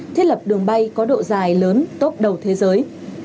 thiết lập đường bay có độ dài lớn top đầu thế giới